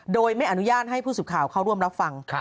โดยไม่อนุญาตให้ผู้สื่อข่าวเข้าร่วมรับฟัง